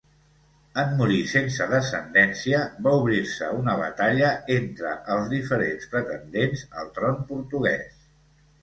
En morir sense descendència, va obrir-se una batalla entre els diferents pretendents al tron portuguès.